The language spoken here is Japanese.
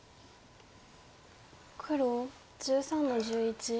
黒１３の十一。